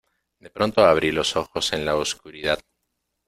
de pronto abrí los ojos en la oscuridad.